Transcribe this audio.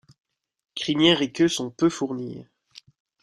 Crinière et queue sont peu fournies.